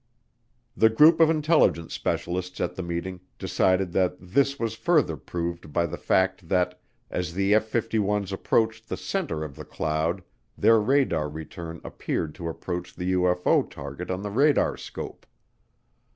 The group of intelligence specialists at the meeting decided that this was further proved by the fact that as the F 51's approached the center of the cloud their radar return appeared to approach the UFO target on the radarscope.